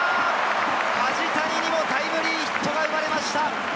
梶谷にもタイムリーヒットが生まれました。